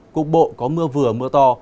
cục bộ có mưa vừa mưa to